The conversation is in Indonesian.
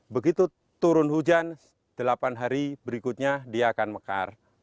begitu turun hujan delapan hari berikutnya dia akan mekar